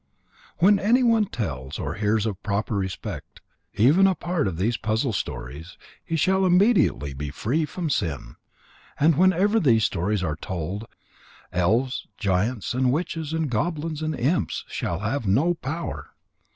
When anyone tells or hears with proper respect even a part of these puzzle stories, he shall be immediately free from sin. And wherever these stories are told, elves and giants and witches and goblins and imps shall have no power."